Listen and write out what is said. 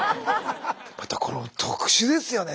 またこれも特殊ですよね。